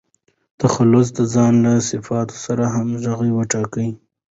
تخلص د ځان له صفاتو سره همږغي وټاکئ.